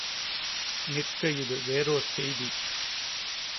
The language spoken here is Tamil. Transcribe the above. நிற்க இது வேறோர் செய்தி!